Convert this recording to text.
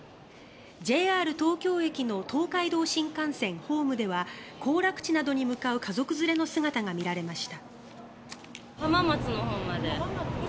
ＪＲ東京駅の東海道新幹線ホームでは行楽地などに向かう家族連れの姿が見られました。